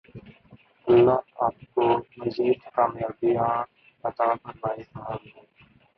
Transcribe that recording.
الله آپکو مزید کامیابیاں عطا فرمائے ۔آمین